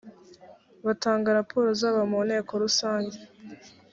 batanga raporo zabo mu nteko rusange